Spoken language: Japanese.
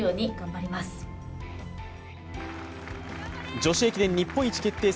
女子駅伝日本一決定戦